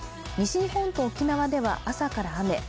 西日本と沖縄では朝から雨。